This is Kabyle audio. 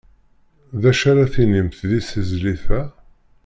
D acu ara tinimt di tezlit-a?